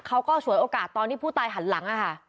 เขาก็ฉวยโอกาสตอนที่ผู้ตายหันหลัง